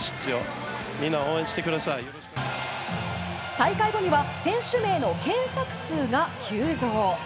大会後には選手名の検索数が急増。